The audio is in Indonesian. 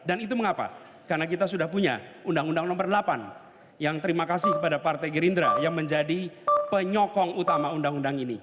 dan itu mengapa karena kita sudah punya undang undang nomor delapan yang terima kasih kepada partai gerindra yang menjadi penyokong utama undang undang ini